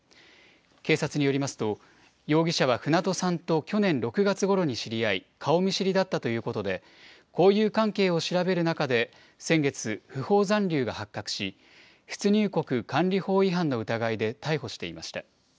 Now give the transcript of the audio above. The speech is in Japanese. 警察によりますと、容疑者は船戸さんと去年６月ごろに知り合い、顔見知りだったということで、交友関係を調べる中で、先月、不法残留が発覚し、出入国管理法違反の疑いで逮捕していました。